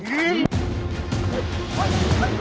โอ้ยอะไรนะลูก